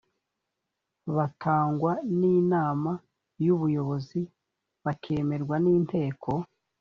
batangwa n inama y ubuyobozi bakemerwa n inteko